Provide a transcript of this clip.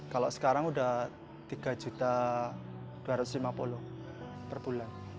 kalau sekarang sudah tiga juta dua ratus lima puluh perbulan